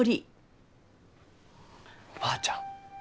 おばあちゃん。